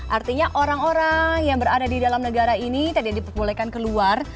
artinya orang orang yang berada di dalam negara ini tidak diperbolehkan keluar